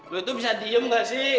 gue tuh bisa diem gak sih